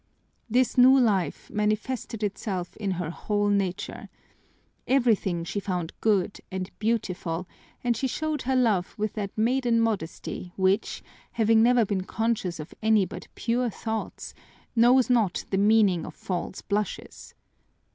This new life manifested itself in her whole nature. Everything she found good and beautiful, and she showed her love with that maiden modesty which, having never been conscious of any but pure thoughts, knows not the meaning of false blushes.